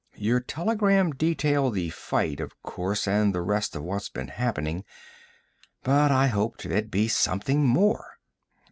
Your telegram detailed the fight, of course, and the rest of what's been happening but I hoped there'd be something more."